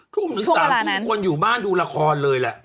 ทุ่มถึง๓ทุ่มคนอยู่บ้านดูละครเลยแหละ